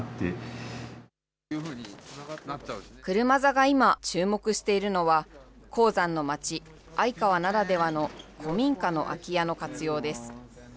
車座が今、注目しているのは、鉱山の町、相川ならではの古民家の空き家の活用です。